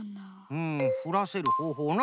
うんふらせるほうほうな。